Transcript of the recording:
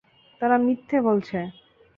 তারা মিথ্যা বলছে!